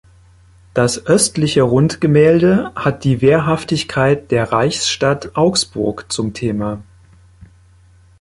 Das östliche Rundgemälde hat die Wehrhaftigkeit der Reichsstadt Augsburg zum Thema.